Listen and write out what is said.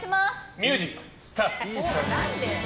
ミュージック、スタート！